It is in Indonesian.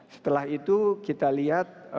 setelah itu kita lihat